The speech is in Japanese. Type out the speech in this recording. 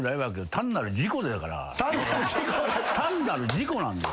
単なる事故なんだよ。